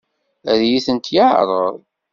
Ad iyi-tent-yeɛṛeḍ?